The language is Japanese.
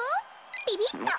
ピピッと。